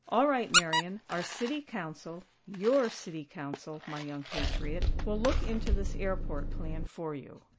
All right, Marian; our City Council, your City Council, my young patriot, will look into this airport plan for you."